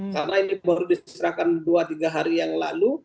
karena ini baru diserahkan dua tiga hari yang lalu